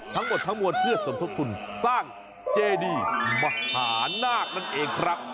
ทั้งหมดทั้งมวลเพื่อสมทบทุนสร้างเจดีมหานาคนั่นเองครับ